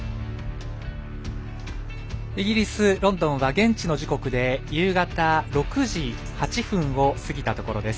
イギリス・ロンドンは現地の時刻で夕方６時８分を過ぎたところです。